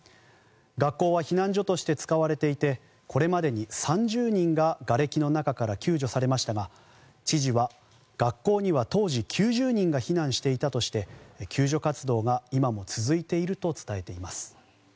学校は避難所として使われていてこれまでに３０人ががれきの中から救助されましたが知事は学校には当時９０人が避難していたとして救助活動が今も続いていると伝えています。